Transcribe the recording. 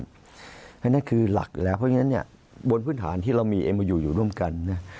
เพราะฉะนั้นคือหลักอยู่แล้วเพราะฉะนั้นเนี่ยบนพื้นฐานที่เรามีเอมาอยู่อยู่ร่วมกันเนี่ย